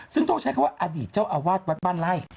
ซึ่งต้องใช้คำว่าอดีตเจ้าอาวาสวัดบ้านไล่